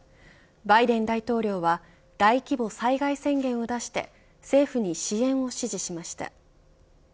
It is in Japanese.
バイデン大統領は大規模災害宣言を出して政府に支援を指示しました。